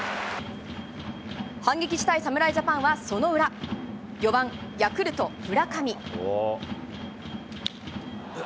反撃したい侍ジャパンはその裏、４番ヤクルト、村上。